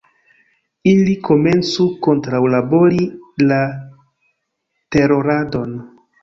Ili komencu kontraŭlabori la teroradon.